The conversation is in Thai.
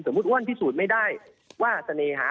อ้วนพิสูจน์ไม่ได้ว่าเสน่หา